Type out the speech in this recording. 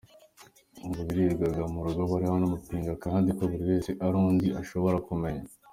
Ngo birirwaga mu rugo bariho amapinga kandi buri wese ari aho undi adashobora kumenya.